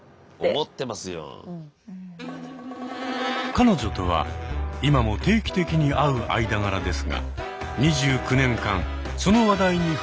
彼女とは今も定期的に会う間柄ですが２９年間その話題に触れたことはないといいます。